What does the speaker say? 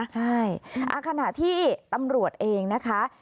ใช่ขณะที่ตำรวจเองนะคะ